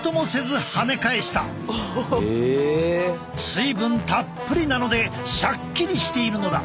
水分たっぷりなのでシャッキリしているのだ。